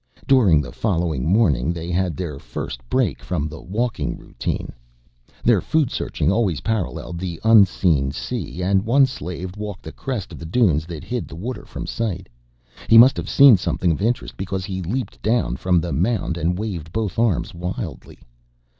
During the following morning they had their first break from the walking routine. Their foodsearching always paralleled the unseen sea, and one slave walked the crest of the dunes that hid the water from sight. He must have seen something of interest because he leaped down from the mound and waved both arms wildly.